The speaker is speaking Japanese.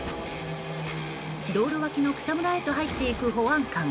道路脇の草むらへと入っていく保安官。